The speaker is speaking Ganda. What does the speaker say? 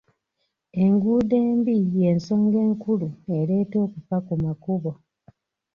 Enguudo embi y'ensonga enkulu ereeta okufa ku makubo.